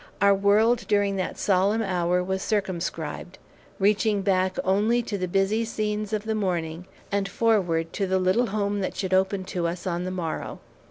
Our world during that solemn hour was circumscribed, reaching back only to the busy scenes of the morning, and forward to the little home that should open to us on the morrow.